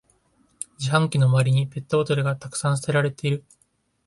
自販機の周りにペットボトルがたくさん捨てられてる